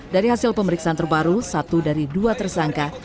dari hasil pemeriksaan terbaru satu dari dua tersangka